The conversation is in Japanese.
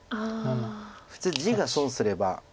普通地が損すれば。